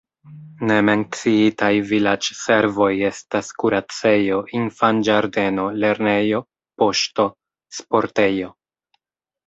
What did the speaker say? Ne menciitaj vilaĝservoj estas kuracejo, infanĝardeno, lernejo, poŝto, sportejo.